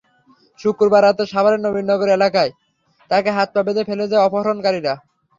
শুক্রবার রাতে সাভারের নবীনগর এলাকায় তাঁকে হাত-পা বেঁধে ফেলে যায় অপহরণকারীরা।